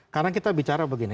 karena kita bicara begini